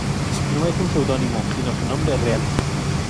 No es un seudónimo sino su nombre real.